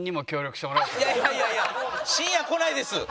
いやいやいやいや深夜来ないです。